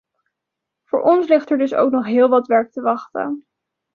Voor ons ligt er dus ook nog heel wat werk te wachten.